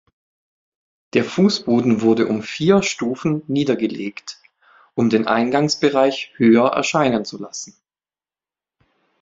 Der Fußboden wurde um vier Stufen niedergelegt, um den Eingangsbereich höher erscheinen zu lassen.